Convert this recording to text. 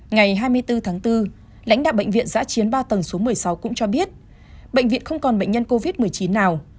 ngày hai mươi bốn tháng bốn lãnh đạo bệnh viện giã chiến ba tầng số một mươi sáu cũng cho biết bệnh viện không còn bệnh nhân covid một mươi chín nào